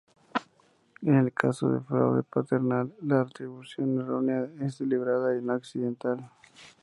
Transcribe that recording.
En el caso del fraude paternal la atribución errónea es deliberada y no accidental.